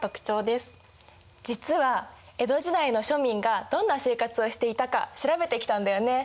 実は江戸時代の庶民がどんな生活をしていたか調べてきたんだよね。